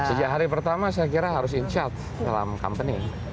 sejak hari pertama saya kira harus in charge dalam company